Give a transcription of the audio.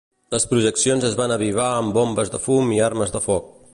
Les projeccions es van avivar amb bombes de fum i armes de foc.